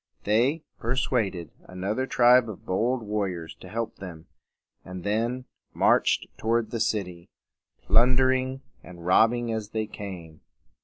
They per suad ed another tribe of bold war riors to help them, and then marched toward the city, plun der ing and robbing as they came.